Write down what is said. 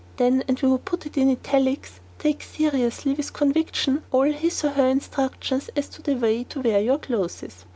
Then, and we would put it in italics; take seriously, with conviction, all his or her instructions as to the way to wear your clothes.